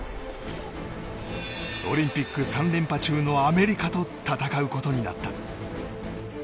オリンピック３連覇中のアメリカと戦うことになった。